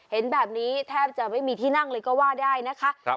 เห็นแบบนี้แทบจะไม่มีที่นั่งเลยก็ว่าได้นะคะ